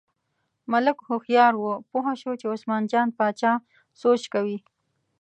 ملک هوښیار و، پوه شو چې عثمان جان باچا سوچ کوي.